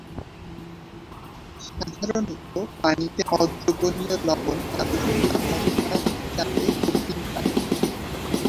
সাধারণত, পানিতে অদ্রবণীয় লবণ আদর্শ তাপমাত্রা ও চাপে কঠিন থাকে।